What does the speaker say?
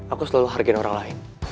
aku selalu hargain orang lain